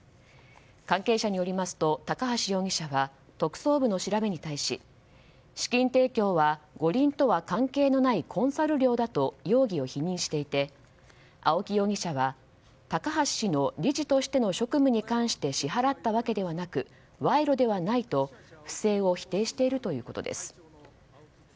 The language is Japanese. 関係者によりますと高橋容疑者は特捜部の調べに対し、資金提供は五輪とは関係のないコンサル料だと容疑を否認していて青木容疑者は、高橋氏の理事としての職務に関して支払ったわけではなく賄賂ではないと不正を否定しているということです。